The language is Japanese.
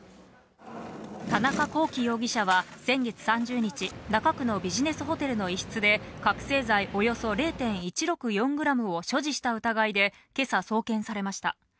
田中聖容疑者は先月３０日、中区のビジネスホテルの一室で覚醒剤およそ０．１６４グラムを所持した疑いで今朝送検されました。